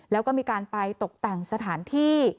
แล้วก็มีการไปตกแต่งสถานที่